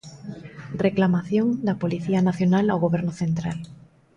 Reclamación da Policía Nacional ao Goberno central.